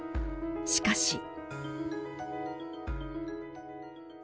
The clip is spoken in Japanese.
しかし。